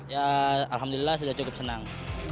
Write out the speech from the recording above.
ya alhamdulillah sudah cukup senang